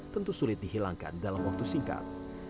tentu sulit dihilangkan dalam waktu singkat